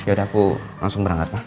ya udah aku langsung berangkat ma